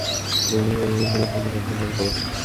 তিন দিন পর বীজ বপন করতে হবে।